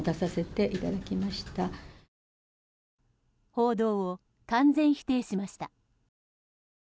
報道を完全否定しました。